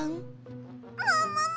ももも！